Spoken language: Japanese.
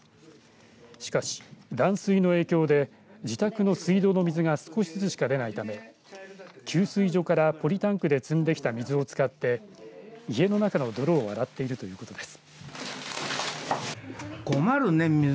しかし断水の影響で自宅の水道の水が少しずつしか出ないため給水所からポリタンクで積んできた水を使って家の中の泥を洗っているということです。